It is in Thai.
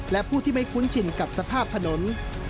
และผู้ที่ไม่คุ้นชินกับสภาพถนน